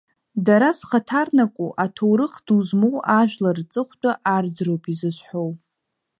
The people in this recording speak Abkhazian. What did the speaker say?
Дара зхаҭарнаку, аҭоурых ду змоу ажәлар рҵыхәтәы арӡроуп изызҳәоу.